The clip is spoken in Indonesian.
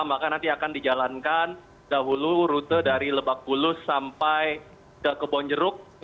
maka nanti akan dijalankan dahulu rute dari lebak bulus sampai ke kebonjeruk